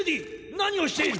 なにをしている！